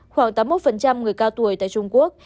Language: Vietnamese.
khoảng tám mươi một người cao tuổi tại trung quốc